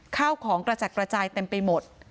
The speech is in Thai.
ข้าวของกระจัดกระจายเต็มไปหมด